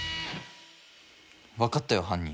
分かったよ犯人。